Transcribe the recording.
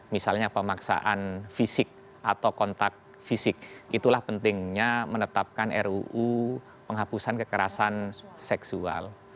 misalnya pemaksaan fisik atau kontak fisik itulah pentingnya menetapkan ruu penghapusan kekerasan seksual